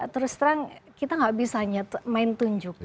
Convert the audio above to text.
terus terang kita nggak bisa hanya main tunjuk